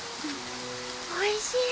おいしい。